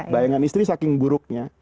bayangan istri saking buruknya